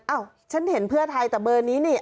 ฉันเห็นเพื่อไทยแต่เบอร์นี้นี่